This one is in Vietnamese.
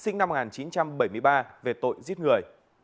sinh năm một nghìn chín trăm bảy mươi ba về tội giết người